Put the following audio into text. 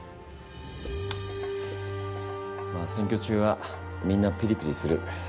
まあ選挙中はみんなぴりぴりする。